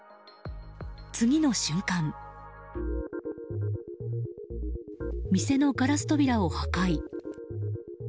次の瞬間、店のガラス扉を破壊。